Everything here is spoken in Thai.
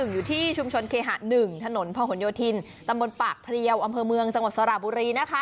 อยู่ที่ชุมชนเคหะ๑ถนนพะหนโยธินตำบลปากเพลียวอำเภอเมืองจังหวัดสระบุรี